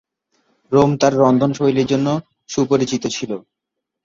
Rome তার রন্ধনশৈলীর জন্য সুপরিচিত ছিল।